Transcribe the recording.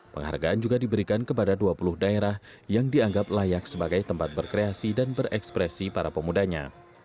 penghargaan juga diberikan kepada dua puluh daerah yang dianggap layak sebagai tempat berkreasi dan berekspresi para pemudanya